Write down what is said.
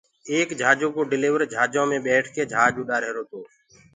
ايڪ جھآجو ڪو ڊليورَ جھآجو مي ٻيٺڪي جھآج اُڏآهيروَ تو